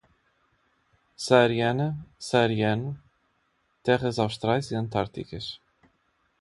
Saariana, saariano, terras austrais e antárticas